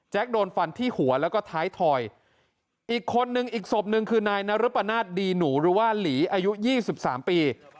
โดนฟันที่หัวแล้วก็ท้ายถอยอีกคนนึงอีกศพหนึ่งคือนายนรปนาศดีหนูหรือว่าหลีอายุ๒๓ปี